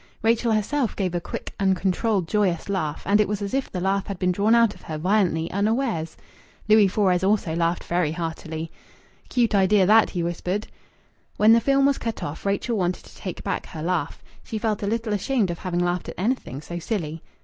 Rachel herself gave a quick, uncontrolled, joyous laugh, and it was as if the laugh had been drawn out of her violently unawares. Louis Fores also laughed very heartily. "Cute idea, that!" he whispered. When the film was cut off Rachel wanted to take back her laugh. She felt a little ashamed of having laughed at anything so silly.